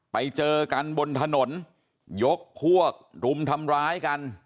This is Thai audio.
ไปเจอกันบนถนนยกพวกรุมทำร้ายกัน